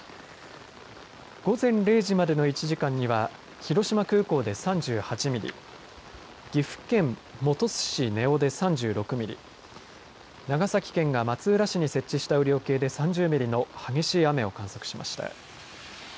午前０時までの１時間には広島空港で３８ミリ、岐阜県本巣市根尾で３６ミリ、長崎県が松浦市に設置した雨量計で、３０ミリの激しい雨を観測しました。